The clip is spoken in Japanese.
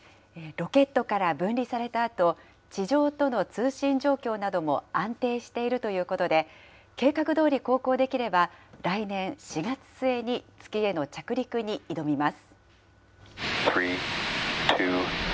ロケットから分離されたあと、地上との通信状況なども安定しているということで、計画どおり航行できれば、来年４月末に月への着陸に挑みます。